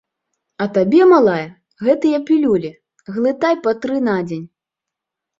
А табе, малая, гэтыя пілюлі, глытай па тры на дзень.